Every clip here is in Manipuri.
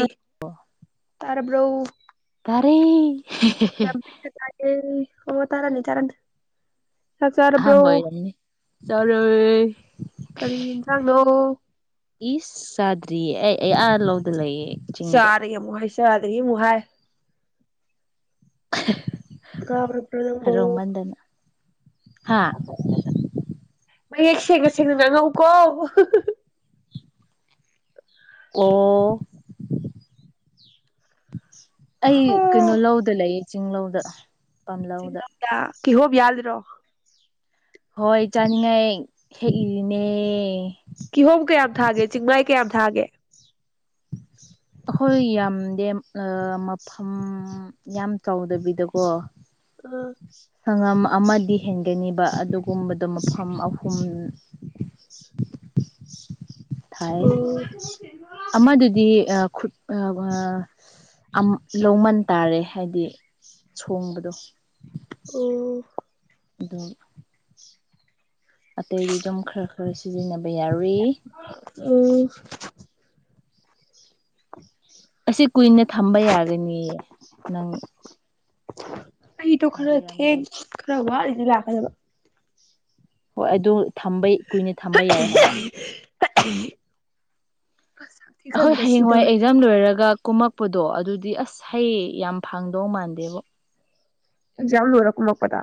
ꯑ ꯑꯦ ꯇꯥꯔꯕ꯭ꯔꯣ ꯇꯥꯔꯦ ꯆ ꯇ [unintelligible] ꯑꯣ ꯇꯥꯔꯅꯤ ꯇꯥꯔꯅꯤ ꯆꯥꯛ ꯆꯥꯔꯕ꯭ꯔꯣ ꯑꯍꯥꯟꯕ ꯑꯣꯢꯔꯝꯅꯤ ꯆꯥꯔꯦ ꯀꯔꯤ ꯌꯦꯟꯁꯥꯡꯅꯣ ꯏꯁ ꯆꯥꯗ꯭ꯔꯤ ꯗ꯭ꯔꯤ ꯑꯩ ꯑꯥ ꯂꯣꯛꯇ ꯂꯩꯌꯦ ꯆꯤꯡꯗ ꯆꯥꯔꯦ ꯑꯃꯨꯛ ꯍꯩꯁ ꯆꯗꯒꯤ ꯍꯥꯏ [unintelligible] ꯀꯕ꯭ꯔꯄ꯭ꯔ ꯅꯪꯕꯣ ꯍꯔꯥꯎꯃꯟꯗꯅ ꯍꯥ ꯁꯦꯡꯅ ꯁꯦꯡꯅ ꯉꯥꯡ ꯉꯛꯎ ꯀꯣ ꯀꯣ ꯑꯩ ꯀꯩꯅꯣ ꯂꯧꯗ ꯂꯩ ꯆꯤꯡꯂꯧꯗ ꯆꯤꯡꯂꯧꯗ ꯀꯤꯍꯣꯝ ꯌꯥꯟꯂꯤꯔꯣ ꯍꯣꯏ ꯆꯥꯅꯤꯡꯉꯥꯏ ꯍꯦꯛꯏꯔꯤꯅꯦ ꯀꯤꯍꯣꯝ ꯀꯌꯥꯝ ꯊꯥꯒꯦ ꯆꯤꯡꯃꯥꯏ ꯀꯌꯥꯝ ꯊꯥꯒꯦ ꯍꯣꯏ ꯌꯥꯝꯗꯦ ꯃꯐꯝ ꯌꯥꯝ ꯆꯥꯎꯗꯕꯤꯗꯀꯣ ꯑꯣ [unintelligible] ꯑꯃꯗꯤ ꯍꯦꯟꯒꯅꯤꯕ ꯑꯗꯨꯒꯨꯝꯕꯗꯣ ꯃꯐꯝ ꯑꯍꯨꯝ ꯊꯥꯏ ꯑꯣ ꯑꯃꯗꯨꯗꯤ ꯈꯨꯠ ꯂꯧꯃꯟ ꯇꯥꯔꯦ ꯍꯥꯏꯗꯤ ꯁꯣꯡꯕꯗꯣ ꯑꯣ ꯑꯗꯣ ꯑꯇꯩꯗꯤ ꯑꯗꯨꯝ ꯈꯔ ꯈꯔ ꯁꯤꯖꯤꯟꯅꯕ ꯌꯥꯔꯏ ꯑꯁꯤ ꯀꯨꯏꯅ ꯊꯝꯕ ꯌꯥꯒꯅꯤꯌꯦ ꯅꯪ [unintelligible] ꯑꯩꯗꯣ ꯈꯔ ꯊꯝꯕꯤꯔꯝꯒꯦ ꯊꯦꯡ ꯈꯔ ꯋꯥ ꯂꯥꯛꯗꯕ ꯍꯣꯏ ꯑꯗꯨ ꯊꯝꯕꯩ ꯀꯨꯏꯅ ꯊꯝꯕ ꯌꯥꯏ ꯍꯥꯏꯕ ꯑꯁ ꯁꯥꯛꯊꯤ ꯑꯩꯈꯣꯏ ꯈꯟꯕꯗ ꯍꯌꯦꯡꯋꯥꯏ ꯁꯤꯗꯧꯔꯦ ꯑꯦꯛꯖꯥꯝ ꯂꯣꯏꯔꯒ ꯀꯨꯝꯃꯛ ꯄꯗꯣ ꯑꯗꯨꯗꯤ ꯑꯁ ꯍꯩ ꯌꯥꯝ ꯐꯪꯗꯧ ꯃꯥꯟꯗꯦꯕ ꯑꯦꯛꯖꯝ ꯂꯣꯏꯔ ꯀꯨꯝꯃꯛꯄꯗ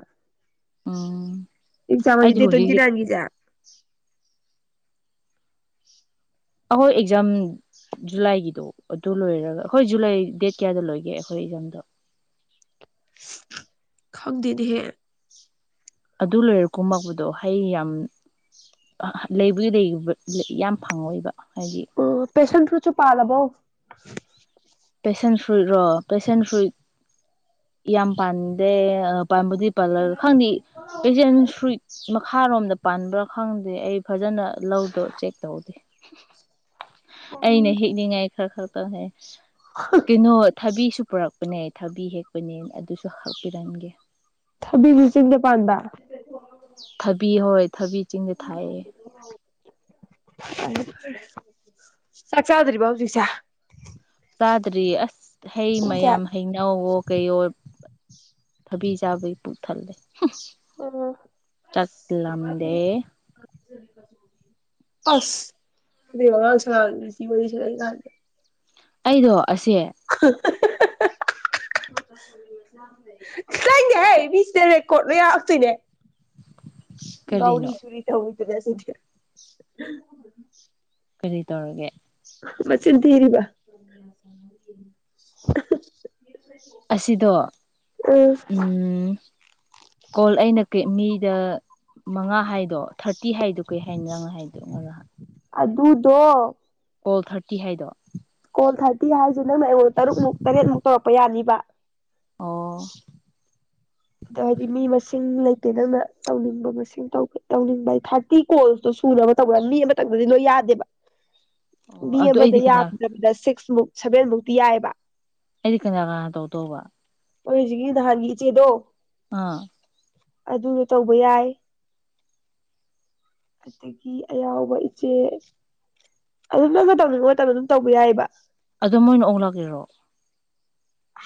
ꯑꯣ [unintelligible] ꯑꯩꯈꯣꯏ ꯑꯦꯛꯖꯥꯝ ꯖꯨꯂꯥꯏꯒꯤꯗꯣ ꯑꯗꯨ ꯂꯣꯏꯔꯔꯒ ꯍꯣꯏ ꯖꯨꯂꯥꯏ ꯗꯦꯠ ꯀꯌꯥꯗ ꯂꯣꯏꯒꯦ ꯑꯩꯈꯣꯏ ꯑꯦꯛꯖꯥꯝꯗ ꯈꯥꯡꯗꯤꯍꯦ ꯑꯗꯨ ꯂꯣꯏꯔꯀꯨꯝꯃꯛꯄꯗꯣ ꯍꯩ ꯌꯥꯝ ꯂꯩꯕꯨꯒꯤ ꯌꯥꯝ ꯐꯪꯉꯣꯏꯕ ꯍꯥꯏꯗꯤ ꯑꯣ ꯄꯦꯁꯦꯟ ꯐꯔꯨꯏꯠꯁꯨ ꯄꯥꯜꯂꯕꯣ [unintelligible] ꯄꯦꯁꯦꯟ ꯐ꯭ꯔꯨꯏꯠꯔꯣ ꯄꯦꯁꯦꯟ ꯐ꯭ꯔꯨꯏꯠ ꯌꯥꯝ ꯄꯥꯟꯗꯦ ꯄꯥꯟꯕꯗꯤ ꯄꯥꯔꯂꯔ ꯈꯪꯗꯦ ꯄꯦꯁꯦꯟ ꯐꯔꯨꯏꯠ ꯃꯈꯥꯔꯣꯝꯗ ꯄꯥꯟꯕ꯭ꯔꯥ ꯈꯪꯗꯦ ꯑꯩ ꯐꯖꯅ ꯂꯧꯗꯣ ꯆꯦꯛ ꯇꯧꯗꯦ ꯑꯩꯅ ꯎꯝ ꯍꯤꯛꯅꯤꯡꯉꯥꯏ ꯑ ꯈꯗ ꯍꯦ ꯀꯩꯅꯣ ꯊꯕꯤ ꯁꯨ ꯄꯨꯔꯛꯄꯅꯦ ꯊꯕꯤ ꯍꯦꯛꯄꯅꯦ ꯑꯗꯨꯁꯨ ꯍꯥꯞꯄꯤꯔꯝꯒꯦ ꯊꯕꯤꯕꯤꯁꯤꯡꯗ ꯄꯥꯟꯗꯗꯥ ꯊꯕꯤ ꯍꯣꯏ ꯊꯕꯤ ꯆꯤꯡꯗ ꯊꯥꯏꯌꯦ ꯆꯥꯛ ꯆꯥꯗ꯭ꯔꯤꯔꯤꯕꯥꯎꯖꯤꯛꯁꯥ ꯇꯥꯗ꯭ꯔꯤ ꯑꯁ ꯍꯩ ꯄꯨꯡ ꯀꯌꯥ ꯃꯌꯥꯝ ꯍꯩꯩꯅꯎꯋꯣ ꯀꯩꯌꯣ ꯊꯕꯤ ꯆꯥꯕꯒꯤ ꯄꯨꯛ ꯊꯜꯂꯦ ꯎꯝ ꯆꯠꯂꯝꯗꯦ ꯐ ꯋꯥ ꯁ ꯋꯥꯔꯤꯁꯤ ꯀꯦ ꯑꯩꯗꯣ ꯑꯦ ꯪꯒꯦ ꯑꯩ ꯃꯤꯁꯤꯗ ꯔꯦꯀꯣꯔꯠ ꯂꯣꯏ ꯌꯥꯞꯛꯇꯣꯏꯅꯦ ꯧꯔꯤ ꯀꯔꯤꯅꯣ ꯆꯨꯔꯤ ꯇꯧꯕ ꯁꯤ ꯀꯔꯤ ꯇꯧꯔꯒꯦ ꯃꯆꯤꯟ ꯊꯤꯔꯤꯕ ꯑꯁꯤꯗꯣ ꯎꯝ ꯀꯣꯜ ꯑꯩꯅ ꯃꯤꯗ ꯃꯉꯥ ꯍꯥꯏꯗꯣ ꯊꯥꯔꯇꯤ ꯍꯥꯏꯗꯣ ꯀꯔꯤ ꯍꯥꯏꯅꯤ ꯅꯪ ꯍꯥꯏꯗꯣ ꯉꯍ ꯑꯗꯨꯗꯣ ꯀꯣꯜ ꯊꯥꯔꯇꯤ ꯍꯥꯏꯗꯣ ꯊ ꯍꯥꯏ ꯁꯤ ꯅꯪ ꯑꯩꯉꯣꯟ ꯇꯔꯨꯛꯃꯨꯛ ꯇꯔꯦꯠꯃꯨꯛ ꯇꯧꯔꯛꯄ ꯌꯥꯕ ꯑꯣ ꯑꯗꯣ ꯍꯥꯏꯗꯤ ꯃꯤ ꯃꯁꯤꯡ ꯂꯩꯇꯦ ꯅꯪꯅ ꯇꯧꯅꯤꯡꯕ ꯃꯁꯤꯡ ꯇꯧꯅꯤꯡꯕ ꯍꯥꯏꯗꯤ ꯊꯥꯔꯇꯤ ꯀꯣꯜꯁꯇꯣ ꯁꯨꯅꯕ ꯇꯧꯕꯅ ꯃꯤ ꯑꯃꯇꯪꯗꯗꯤ ꯂꯣꯏ ꯌꯥꯗꯦꯕ ꯑꯣ ꯕꯤ ꯑꯗꯨ ꯑꯦ ꯑꯩꯗꯤ ꯀꯅꯥ ꯌꯥ ꯁꯤꯛꯁ ꯃꯨꯛ ꯁꯕꯦꯟꯃꯨꯛꯇꯤ ꯌꯥꯏꯑꯕ ꯑꯦ ꯀ ꯇꯧ ꯇꯣꯕ ꯑꯣꯏꯁꯤꯒꯤꯗ ꯍ ꯌꯦ ꯆꯦꯗꯣ ꯑꯥ ꯑꯗꯨꯗꯣ ꯇꯧꯕ ꯌꯥꯏ ꯑꯗꯒꯤ ꯑꯌꯥꯎꯕ ꯏꯆꯦ ꯑꯗꯨꯝ ꯅꯪꯅ ꯇꯧꯅꯤꯡꯕ ꯃꯇꯝꯗ ꯑꯗꯨꯝ ꯇꯧꯕ ꯌꯥꯏꯑꯕ ꯑꯗꯣ ꯃꯣꯏꯅ ꯑꯣꯂꯛꯑꯔꯣ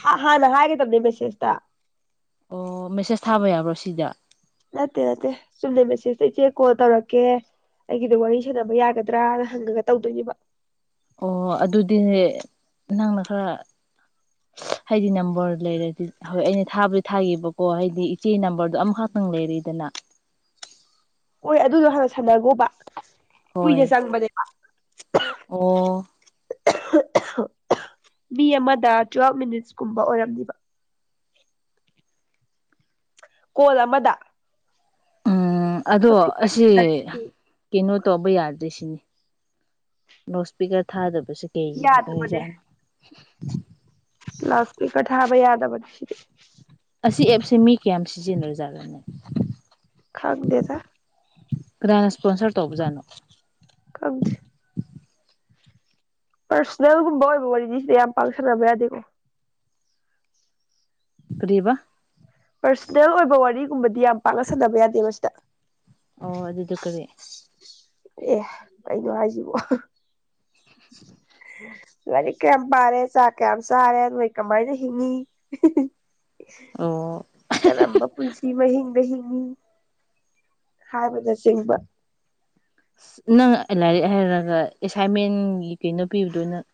ꯍꯥꯟꯅ ꯍꯥꯏꯒꯗꯕꯅꯦ ꯃꯦꯁꯦꯁ ꯇ ꯑꯣ ꯃꯦꯁꯦꯁ ꯊꯥꯕ ꯌꯥꯕ꯭ꯔꯣ ꯁꯤꯗ ꯅꯠꯇꯦ ꯅꯠꯇꯦ ꯆꯨꯝꯅ ꯃꯦꯁꯦꯁꯇ ꯏꯆꯦ ꯀꯣꯜ ꯇꯧꯔꯛꯀꯦ ꯑꯩꯒꯤꯗ ꯋꯥꯔꯤ ꯁꯥꯟꯅꯕ ꯌꯥꯒꯗ꯭ꯔꯥꯅ ꯍꯪꯉꯒ ꯇꯧꯗꯣꯏꯅꯦꯕ ꯑꯣ ꯑꯗꯨꯗꯤ ꯅꯪꯅ ꯈꯔ ꯍꯥꯏꯗꯤ ꯅꯝꯕꯔ ꯂꯩꯔꯗꯤ ꯍꯣꯏ ꯑꯩꯅ ꯊꯥꯕꯨꯗꯤ ꯊꯥꯒꯦꯕꯀꯣ ꯍꯥꯏꯗꯤ ꯏꯆꯦ ꯅꯝꯕꯔꯗꯣ ꯑꯃꯈꯇꯪ ꯂꯩꯔꯗꯅ ꯍꯣꯏ ꯑꯗꯨꯗꯣ ꯍꯥꯟꯅ ꯁꯥꯟꯅꯒꯣꯕ ꯍꯣꯏ ꯑꯣ ꯃꯤ ꯑꯃꯗ ꯇ꯭ꯋꯦꯜꯕ ꯃꯤꯅꯤꯠꯁꯀꯨꯝꯕ ꯑꯣꯏꯔꯝꯅꯦꯕ ꯀꯣꯜ ꯑꯃꯗ ꯎꯝ ꯑꯗꯣ ꯑꯁꯤ ꯀꯩꯅꯣ ꯇꯧꯕ ꯌꯥꯗ꯭ꯔꯦ ꯁꯤꯅꯤ ꯅꯣꯁꯄꯤꯀꯔ ꯊꯥꯗꯕ [unintelligible] ꯂꯎꯗ ꯏꯁꯄ꯭ꯤꯛꯔ ꯊꯥꯕ ꯌꯥꯗꯕꯅꯤ ꯁꯤꯔꯤ ꯑꯁꯤ ꯑꯦꯞꯁꯦ ꯃꯤ ꯀꯌꯥꯝ ꯁꯤꯖꯤꯟꯅꯔ꯭ꯖꯠꯂꯥꯅꯤ ꯈꯪꯗꯦꯗ ꯀꯅꯥꯅꯥ ꯏꯁꯄꯣꯟꯁꯔ ꯇꯧꯕꯥꯖꯅꯣ ꯈꯪꯗꯦ ꯄꯔꯁꯅꯦꯜꯒꯨꯝꯕ ꯑꯣꯏꯕ ꯋꯥꯔꯤꯗꯤ ꯁꯤꯗ ꯌꯥꯝ ꯄꯥꯛꯅ ꯁꯟꯅꯕ ꯌꯥꯗꯦꯀꯣ ꯀꯥꯔꯤꯕꯥ ꯄꯔꯁꯅꯦꯜ ꯑꯣꯏꯕ ꯋꯥꯔꯤꯒꯨꯝꯕꯗꯤ ꯌꯥꯝ ꯄꯥꯛꯅ ꯁꯅꯕ ꯌꯥꯗꯦꯕ ꯁꯤꯗ ꯑꯣ ꯑꯗꯨꯗ ꯀꯔꯤ ꯑꯦ ꯀꯩꯅꯣ ꯍꯥꯏꯁꯤꯕꯣ [unintelligible] ꯂꯥꯏꯔꯤꯛ ꯀꯌꯥꯝ ꯄꯥꯔꯦ ꯆꯥꯛ ꯀꯌꯥꯝ ꯆꯥꯔꯦ ꯅꯣꯏ ꯀꯃꯥꯏꯅ ꯍꯤꯡꯉꯤ ꯑꯣ ꯀꯔꯝꯕ ꯄꯨꯟꯁꯤ ꯃꯍꯤꯡꯗ ꯍꯤꯡ ꯑꯣ ꯍꯥꯏꯕꯅ ꯆꯤꯡꯕ ꯑꯁ ꯅꯪ ꯂꯥꯏꯔꯤꯛ ꯍꯩꯔꯒ ꯑꯦꯁꯥꯏꯟꯃꯦꯟꯒꯤ ꯀꯩꯅꯣ ꯄꯤꯕꯗꯣ ꯅꯪ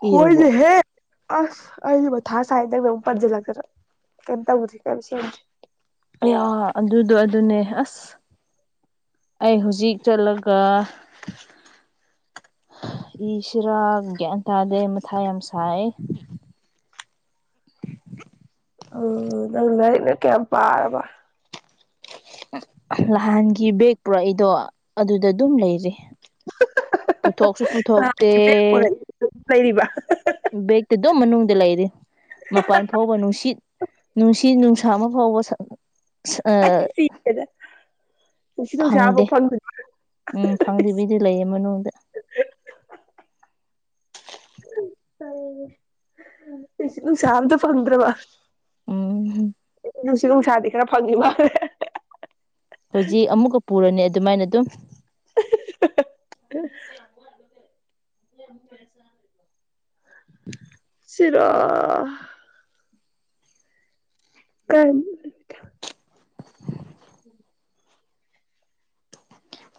ꯏꯔꯕꯣ ꯍꯣꯏꯅꯍꯦ ꯑꯁ ꯑꯩ ꯃꯊꯥ ꯁꯥꯏ ꯅꯪꯅ ꯑꯃꯨꯛ ꯄꯟꯖꯜꯂꯛꯇꯥꯅꯥ ꯀꯩꯝ ꯇꯧꯗꯦ ꯀꯩꯝ ꯁꯦꯝꯗꯦ ꯑꯌꯥ ꯑꯗꯨꯗꯣ ꯑꯗꯨꯅꯦ ꯑꯁ ꯑꯩ ꯍꯧꯖꯤꯛ ꯆꯠꯂꯒ ꯏꯁꯤꯔꯥ ꯒ꯭ꯌꯥꯟ ꯇꯥꯗꯦ ꯃꯊꯥ ꯌꯥꯝ ꯁꯥꯏ ꯑꯣ ꯅꯪ ꯂꯩꯩꯔꯤꯛꯅ ꯀꯌꯥꯝ ꯄꯥꯔꯕ ꯅꯍꯥꯟꯒꯤ ꯕꯦꯒ ꯄꯨꯔꯥꯛ ꯏꯗꯣ ꯑꯗꯨꯗ ꯑꯗꯨꯝ ꯂꯩꯔꯦ ꯄꯨꯊꯣꯛꯁꯨ ꯄꯨꯊꯣꯛꯇꯦ ꯄꯨꯔꯛꯏ ꯂꯩꯔꯤꯕ ꯕꯦꯛꯇ ꯑꯗꯨꯝ ꯃꯅꯨꯡꯗ ꯂꯩꯔꯤ ꯃꯄꯜ ꯐꯥꯎꯕ ꯅꯨꯡꯁꯤꯠ ꯅꯨꯡꯁꯤꯠ ꯅꯨꯡꯁ ꯊꯝ ꯐꯥꯎꯕ ꯁ ꯑ ꯑꯩ ꯁꯤꯔꯦꯗ ꯅꯨꯡꯁꯤꯠ ꯅꯨꯡꯁꯥ ꯑꯝꯐꯥꯎ [unintelligible] ꯎꯝ ꯐꯪꯗꯦꯕꯤ ꯂꯩꯌꯦ ꯃꯅꯨꯡꯗ ꯅꯨꯡꯁꯤꯠ ꯅꯨꯪꯁꯥ ꯑꯃꯇꯥ ꯐꯪꯗ꯭ꯔꯕ ꯎꯝ ꯅꯨꯡꯁꯤꯠ ꯅꯨꯡꯁꯥꯗꯤ ꯈꯔ ꯐꯪꯉꯤ ꯃꯥꯜꯂꯦ ꯍꯧꯖꯤꯛ ꯑꯃꯨꯛꯀ ꯄꯨꯔꯅꯤ ꯑꯗꯨꯃꯥꯏꯅ ꯑꯗꯨꯝ [inaudible] [inaudible] ꯁꯤꯔ ꯀ [inaudible]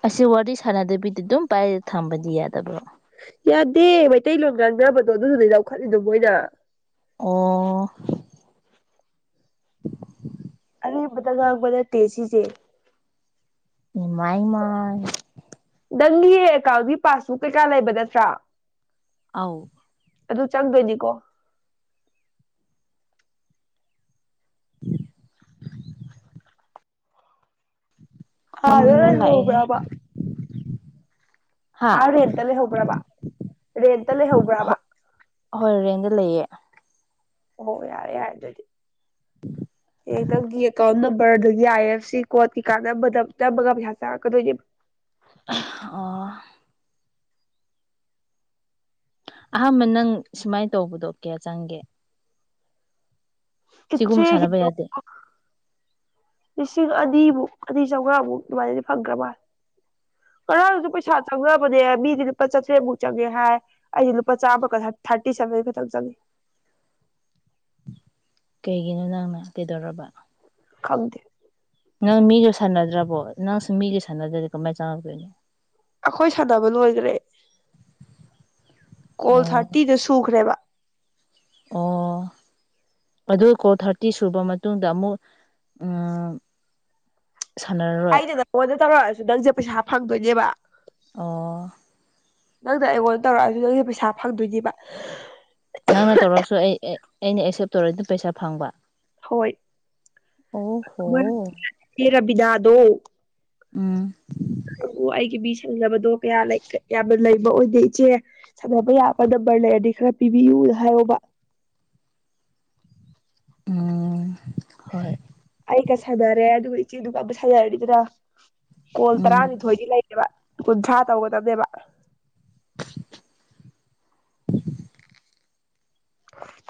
ꯑꯁꯤ ꯋꯥꯔꯤ ꯁꯥꯟꯅꯗꯕꯤꯗꯤ ꯑꯗꯨꯝ ꯄꯥꯏꯔ ꯊꯝꯕꯗꯤ ꯌꯥꯗꯕ꯭ꯔꯣ ꯌꯥꯗꯦ ꯃꯩꯇꯩꯂꯣꯟ ꯉꯥꯡꯅꯕꯗꯣ ꯑꯗꯨꯗꯨꯗꯤ ꯂꯧꯈꯠꯂꯤꯗꯣ ꯃꯣꯏꯅ ꯑꯣ [inaudible] ꯒ ꯇꯦꯁꯤꯁꯦ ꯏꯃ ꯏꯃ ꯅꯪꯒꯤ ꯑꯦꯀꯥꯎꯟꯒꯤ ꯄꯥꯁꯕꯨꯛ ꯀꯩꯀꯥ ꯂꯩꯕ ꯅꯠꯇ꯭ꯔꯥ ꯑꯥꯎ ꯑꯗꯨ ꯆꯪꯒꯅꯤꯀꯣ ꯑ꯭ꯔꯦ ꯌꯥꯝꯅ ꯂꯥꯛꯑꯦꯍꯦ ꯍꯣꯕ꯭ꯔꯕ ꯍꯥ ꯑꯥ ꯔꯦꯟꯇ ꯂꯩꯍꯧꯕ꯭ꯔꯕ ꯔꯦꯟꯇ ꯂꯩꯍꯧꯕ꯭ꯔꯥꯕ ꯍꯣꯏ ꯔꯦꯟꯗ ꯂꯩꯌꯦ ꯑꯣ ꯌꯥꯔꯦ ꯌꯥꯔꯦ ꯑꯗꯨꯗꯤ ꯑꯦꯗꯝꯒꯤ ꯀꯥꯎꯅ ꯔꯗꯒꯤ ꯑꯥꯏ ꯑꯦꯐ ꯁꯤ ꯀꯣꯔꯠ ꯀꯩ ꯀꯥꯗ ꯅꯝꯃꯒ ꯄꯩꯁꯥ ꯆꯥꯔꯛꯀꯗꯣꯏꯅꯦꯕ ꯑꯣ ꯑꯍꯥꯟꯕ ꯅꯪ ꯁꯨꯃꯥꯏꯅ ꯇꯧꯕꯗꯣ ꯀꯌꯥ ꯆꯪꯒꯦ ꯁꯤꯒꯨꯝꯕ ꯁꯥꯟꯅꯕ ꯏꯆꯦꯒꯤꯗꯣ ꯌꯥꯗꯦ ꯂꯤꯁꯤꯡ ꯑꯅꯤꯃꯨꯛ ꯑꯅꯤ ꯆꯥꯝꯃꯉꯥꯃꯨꯛ ꯑꯗꯨꯃꯥꯏꯅꯗꯤ ꯐꯪꯈ꯭ꯔ ꯃꯥꯜꯂꯦ ꯉꯔꯥꯡꯁꯨ ꯄꯩꯁꯥ ꯆꯪꯉꯕꯅꯦ ꯃꯤꯗꯤ ꯂꯨꯄꯥ ꯆꯥꯇ꯭ꯔꯦꯠꯃꯨꯛ ꯆꯪꯉꯦ ꯍꯥꯏ ꯑꯩꯗꯤ ꯂꯨꯄꯥ ꯆꯥꯝꯃ ꯊꯥꯔꯇꯤ ꯁꯚꯦꯟ ꯈꯛꯇꯪ ꯆꯪꯉꯤ ꯀꯩꯒꯤꯅꯣ ꯅꯪꯅ ꯀꯩꯗꯧꯔꯕ ꯈꯪꯗ ꯅꯪ ꯃꯤꯁꯨ ꯁꯥꯟꯅꯗ꯭ꯔꯕꯣ ꯅꯪꯁꯨ ꯃꯤꯁꯨ ꯁꯥꯟꯅꯗꯦ ꯀꯃꯥꯏꯅ ꯆꯪꯉꯛꯇꯣꯏꯅꯣ ꯑꯩꯈꯣꯏ ꯁꯥꯟꯅꯕ ꯂꯣꯏꯈ꯭ꯔꯦ ꯀꯣꯜ ꯑꯣ ꯊꯥꯔꯇꯤꯗ ꯁꯨꯈ꯭ꯔꯦꯕ ꯑꯗꯨꯀꯣ ꯊꯥꯔꯇꯤ ꯁꯨꯔꯕ ꯃꯇꯨꯡꯗ ꯑꯃꯨꯛ ꯁꯥꯟꯅꯔꯔꯣꯏ ꯑꯩꯅ ꯅꯪꯉꯣꯟꯗ ꯇꯧꯔꯛꯑꯁꯨ ꯅꯪꯁꯦ ꯄꯩꯁꯥ ꯐꯪꯗꯣꯏꯅꯦꯕ ꯑꯣ ꯅꯪꯗ ꯑꯩꯉꯣꯟꯗ ꯇꯧꯔꯛꯑꯁꯨ ꯅꯪꯁꯦ ꯄꯩꯁꯥ ꯐꯪꯗꯣꯏꯅꯦꯕ ꯅꯪꯅ ꯇꯧꯔꯁꯨ ꯑꯩ ꯑꯩꯅ ꯑꯦꯛꯁꯦꯞ ꯇꯧꯔ ꯑꯗꯨ ꯄꯩꯁꯥ ꯐꯪꯕ ꯍꯣꯏ ꯑꯣ ꯍꯣ ꯔꯕꯤꯗꯥꯗꯣ ꯎꯝ ꯥꯏꯒꯤ ꯕꯤꯆ ꯊꯦꯡꯅꯕꯗꯣ ꯀꯌꯥ ꯂꯩ ꯌꯥꯝꯅ ꯂꯩꯕ ꯑꯣꯏꯗꯦ ꯏꯆꯦ ꯁꯥꯟꯅꯕ ꯌꯥꯕ ꯅꯝꯕꯔ ꯂꯩꯔꯗꯤ ꯈꯔ ꯄꯤꯕꯤꯌꯨꯅ ꯍꯥꯏꯌꯣꯕ ꯎꯝ ꯍꯣꯏ ꯀꯀ ꯁꯥꯥꯟꯅꯔꯦ ꯑꯗꯨꯒ ꯏꯆꯦꯗꯨ ꯀꯥꯕ ꯁꯥꯥꯟꯅꯔꯅꯤꯗ꯭ꯔꯥ ꯀꯣꯜ ꯎꯝ ꯇꯔꯥꯅꯤꯊꯣꯏꯗꯤ ꯂꯩꯌꯦꯕ ꯨꯟꯖꯥ ꯇꯧꯒꯗꯅꯦꯦꯕ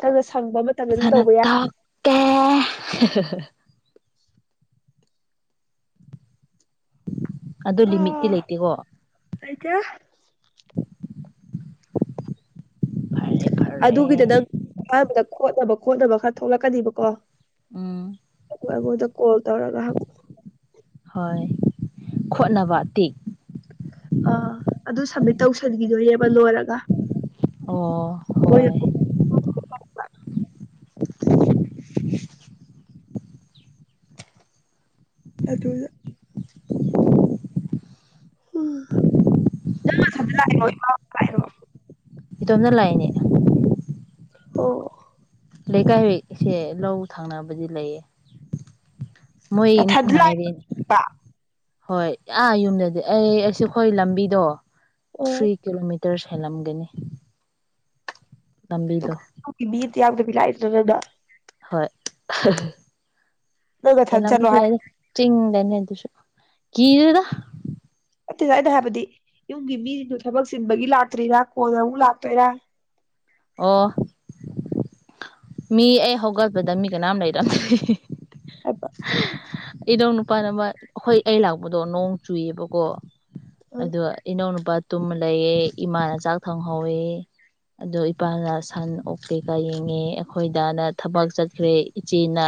ꯑꯗꯨ ꯁꯪꯕ ꯃꯇꯝꯗ ꯑꯗꯨꯝ ꯇꯧꯕ ꯌꯥꯏ ꯇ ꯑꯗꯣ ꯂꯤꯃꯤꯠꯇꯤ ꯂꯩꯇꯦꯀꯣ ꯑꯩꯇ ꯐꯔꯦ ꯐꯔꯦ ꯑꯗꯨꯒꯤꯗ ꯅꯪ ꯑꯍꯥꯟꯕꯗ ꯈꯣꯠꯅꯕ ꯈꯣꯠꯅꯕ ꯈꯔ ꯊꯣꯛꯂꯛꯀꯅꯤꯕꯀꯣ ꯎꯝ ꯕꯨꯗ ꯀꯣꯣ ꯇꯔ ꯀꯕꯨ ꯍꯣꯏ ꯈꯣꯠꯅꯕ ꯇꯤꯦꯛ ꯑꯥ ꯑꯗꯨ ꯁꯕꯃꯤꯠ ꯇꯧꯁꯟꯈꯤꯗꯣꯏꯅꯦꯕ ꯂꯣꯏꯔꯒ ꯑꯣ ꯃꯣꯏꯅ ꯍꯣꯏ ꯑ ꯗ ꯏꯇꯣꯝꯅ ꯂꯥꯛꯑꯅꯦ ꯑꯣ ꯂꯩꯀꯥꯏ ꯍꯣꯏꯁꯦ ꯂꯧ ꯊꯥꯡꯅꯕꯗꯤ ꯂꯩꯌꯦ ꯃꯣꯏ ꯅꯊꯟꯗ ꯉꯥꯏꯔꯤꯅꯦ ꯂꯥꯛꯏꯕ ꯍꯣꯏ ꯑꯥ ꯌꯨꯝꯗꯗꯤ ꯑꯩ ꯑꯩꯁꯨ ꯍꯣꯏ ꯂꯝꯕꯤꯗꯣ ꯑꯣ ꯊ꯭ꯔꯤ ꯀꯂꯣꯃꯤꯇꯔ ꯍꯇꯔ ꯍꯦꯜꯂꯝꯒꯅꯤ ꯇꯥꯕꯤꯗ ꯌꯥꯝꯗꯕꯤ ꯂꯥꯏꯗ꯭ꯔꯅꯗ ꯍꯣꯏ ꯍ ꯅꯪ ꯅꯊꯟ ꯅ ꯆꯠꯂꯣ ꯍꯥꯏ ꯑꯃꯁꯁꯨ ꯆꯗꯅꯦ ꯑꯗꯨꯁꯨ ꯀ ꯑꯗꯨ ꯑꯇꯩꯦ ꯁꯋꯥꯏꯗ ꯍꯥꯏꯕꯗꯤ ꯌꯨꯝꯒꯤ ꯃꯤꯁꯤꯡꯗꯨꯣ ꯊꯕꯛ ꯆꯤꯟꯕꯒꯤ ꯂꯥꯛꯇ꯭ꯔꯤꯔꯥ ꯀꯣꯟꯅ ꯑꯃꯨꯛ ꯂꯥꯛꯇꯣꯏꯔꯥ ꯑꯣ ꯃꯤ ꯑꯩ ꯍꯧꯒꯠꯄꯗ ꯃꯤ ꯀꯅꯥꯝ ꯂꯩꯔꯝꯗꯦ ꯑꯕ ꯏꯗꯧ ꯅꯨꯄꯥ ꯅ ꯑꯃ ꯑꯩꯈꯣꯏ ꯑꯩ ꯂꯥꯛꯄꯗꯣ ꯅꯣꯡ ꯆꯨꯏꯌꯦꯕꯀꯣ ꯑ ꯑꯗ ꯏꯅꯣꯅ ꯇꯨꯝ ꯂꯩꯑꯦ ꯏꯃꯥꯅ ꯆꯥꯛ ꯊꯣꯡꯍꯧꯋꯦ ꯑꯗꯣ ꯏꯄꯥꯅ ꯁꯟ ꯑꯣꯛ ꯀꯦꯀꯥ ꯌꯦꯡꯉꯦ ꯍꯣꯏꯗꯥꯅ ꯊꯕꯛ ꯆꯠꯈ꯭ꯔꯦ ꯏꯆꯦꯅ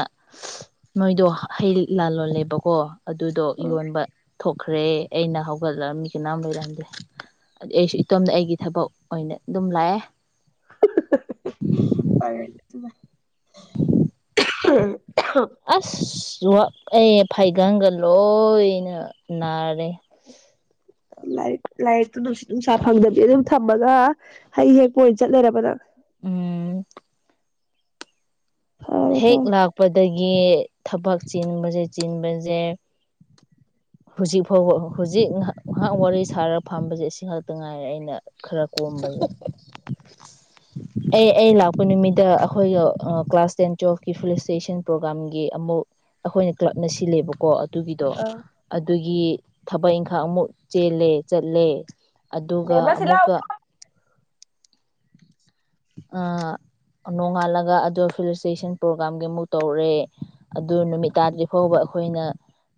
ꯅꯣꯏꯗꯣ ꯍꯩ ꯂꯥꯜ ꯂꯣꯜꯂꯦꯕꯀꯣ ꯑꯗꯨꯗꯣ ꯑ ꯌꯣꯟꯕ ꯊꯣꯛꯈ꯭ꯔꯦ ꯑꯩꯅ ꯍꯧꯒꯠꯂ ꯃꯤ ꯀꯅꯥꯝ ꯂꯩꯔꯝꯗꯦ ꯑꯗꯨ ꯑꯩꯁꯨ ꯏꯇꯣꯝꯇ ꯑꯩꯒꯤ ꯊꯕꯛ ꯑꯣꯏꯅ ꯑꯗꯨꯝ ꯂꯥꯛꯑꯦ ꯐꯔꯦ ꯑꯗꯨꯅ ꯎꯝ ꯑꯁꯍ ꯑꯩ ꯐꯩꯒꯒ ꯂꯣꯏꯅ ꯅꯥꯔꯦ ꯂꯥꯏꯔꯤꯛ ꯂꯥꯏꯔꯤꯛꯇꯨ ꯅꯨꯡꯠ ꯅꯨꯡꯁꯥ ꯐꯪꯗꯕꯤ ꯑꯗꯨꯝ ꯊꯝꯃꯒ ꯍꯩ ꯍꯦꯛꯄ ꯑꯣꯏꯅ ꯆꯠ ꯂꯩꯔꯕꯅꯪ ꯎꯝ ꯐꯔꯦ ꯍꯦꯛ ꯐꯔꯦ ꯂꯥꯛꯄꯗꯒꯤ ꯊꯕꯛ ꯆꯤꯟꯕꯁꯦ ꯆꯤꯟꯕꯁꯦ ꯍꯧꯖꯤꯛ ꯐꯥꯎꯕ ꯍꯧꯖꯤꯛ ꯉꯍꯥꯛ ꯉꯥꯏꯍꯥꯛ ꯋꯥꯔꯤ ꯁꯥꯔ ꯐꯝꯕꯁꯦ ꯑꯁꯤꯈꯥꯛꯇ ꯉꯥꯏꯔꯦ ꯑꯩꯅ ꯈꯔ ꯀꯣꯝꯕꯒꯦ ꯑꯩ ꯑꯩ ꯂꯥꯛ ꯅꯨꯃꯤꯗ ꯑꯩꯈꯣꯏꯒ ꯀ꯭ꯂꯥꯁ ꯇꯦꯟ ꯣꯀꯤ ꯐꯂꯤꯁ ꯏꯁꯇꯦꯁꯟ ꯄ꯭ꯔꯣꯒꯥꯥꯝꯒꯤ ꯑꯃꯨꯛ ꯑꯩꯈꯣꯏꯅ ꯀ꯭ꯂꯕꯅ ꯁꯤꯜꯂꯦꯕꯀꯣ ꯑꯗꯨꯒꯤꯗꯣ ꯑ ꯑꯗꯨꯒꯤ ꯊꯕꯛ ꯏꯪꯈꯥꯡ ꯑꯃꯨꯛ ꯆꯦꯜꯂꯦ ꯆꯠꯂꯦ ꯑꯗꯨꯒ ꯕꯦꯝꯃ ꯁꯤ ꯂꯥꯎ ꯑꯃꯨꯛꯀ ꯑ-ꯑ ꯅꯣꯡꯉꯥꯜꯂꯒ ꯑꯗ‌ꯣ ꯐꯤꯂꯤꯇ꯭ꯔꯦꯁꯟ ꯄ꯭ꯔꯣꯒ꯭ꯔꯥꯝꯒꯤ ꯑꯃꯨꯛ ꯇꯧꯔꯛꯦ ꯑꯗꯨ ꯅꯨꯃꯤꯠ ꯇꯥꯗ꯭ꯔꯤ ꯐꯥꯎꯕ ꯑꯩꯈꯣꯏꯅ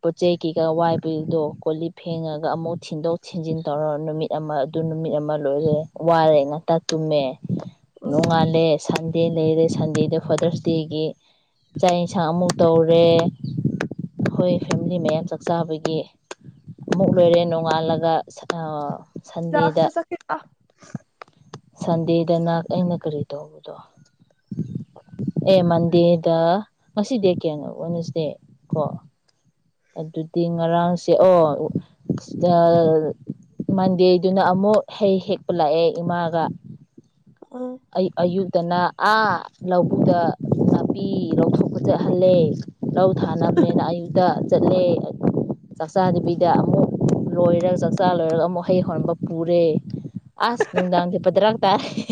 ꯄꯣꯠ ꯆꯩ ꯀꯩꯀꯥ ꯋꯥꯏꯕꯒꯤꯗꯣ ꯀꯣ ꯂꯤꯛ ꯐꯦꯡꯉꯒ ꯑꯃꯨꯛ ꯊꯤꯟꯗꯣꯛ ꯊꯤꯟꯖꯤꯟ ꯇꯧꯔ ꯅꯨꯃꯤꯠ ꯑꯃ ꯑꯗꯨ ꯅꯨꯃꯤꯠ ꯑꯃ ꯂꯣꯏꯔꯦ ꯋꯥꯔꯦ ꯉꯟꯇꯥ ꯇꯨꯝꯃ‌ꯦ ꯎꯝ ꯅꯨꯡꯉꯂꯦ ꯁꯟꯗꯦ ꯑꯗꯩꯗꯤ ꯁꯟꯗꯦꯗ ꯐꯥꯗꯔꯁꯗꯦꯒꯤ ꯆꯥꯛ ꯌꯦꯟꯁꯥꯡ ꯑꯃꯨꯛ ꯇꯧꯔꯦ ꯑꯩꯈꯣꯏ ꯐꯦꯃꯤꯂꯤ ꯃꯌꯥꯝ ꯆꯥꯛꯆꯥꯥꯕꯒꯤ ꯑꯃꯨꯛ ꯂꯣꯏꯔꯦ ꯅꯣꯡꯉꯥꯜꯂꯒ [unintelligible] ꯁꯟꯗꯦꯗ ꯅ ꯑꯩꯅ ꯀꯔꯤ ꯇꯧꯕꯗꯣ ꯑꯦ ꯃꯟꯗꯦꯗ ꯉꯁꯤ ꯗ‌ꯦꯠ ꯀꯌꯥꯅꯣ ꯋꯦꯗꯅꯦꯁꯗꯦ ꯀ‌ꯣ ꯑꯗꯨꯗꯤ ꯉꯔꯥꯡꯁꯦ ꯑꯣ ꯃꯟꯗꯦꯗꯨꯅ ꯑꯃꯨꯛ ꯍꯩ ꯍꯦꯛꯄ ꯂꯥꯛꯑꯦ ꯏꯃꯥꯒ ꯎꯝ ꯑ ꯑꯌꯨꯛꯇꯅꯥ ꯑꯥ ꯂꯧꯕꯨꯛꯗ ꯅꯥꯄꯤ ꯂꯧꯊꯣꯛꯄ ꯆꯠꯍꯜꯂꯦ ꯂꯧ ꯊꯥꯅꯕꯅꯦꯅ ꯑꯌꯨꯛꯇ ꯆꯠꯂꯦ ꯆꯥꯛꯆꯥꯗꯕꯤꯗ ꯑꯃꯨꯛ ꯂꯣꯏꯔꯒ ꯆꯥꯛꯆꯥ ꯂꯣꯏꯔꯒ ꯑꯃꯨꯛ ꯍꯩ ꯍꯧꯝꯕ ꯄꯨꯔꯦ ꯑꯁ ꯅꯨꯡꯗꯥꯡꯗꯤ ꯄꯗꯔꯛ ꯇꯥꯌ‌ꯦ